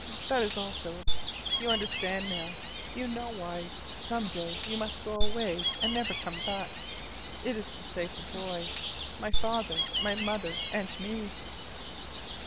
That is all, Philip. You understand now. You know why some day you must go away and never come back. It is to save the boy, my father, my mother, and me!"